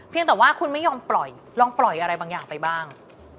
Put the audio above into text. แต่ว่าคุณไม่ยอมปล่อยลองปล่อยอะไรบางอย่างไปบ้าง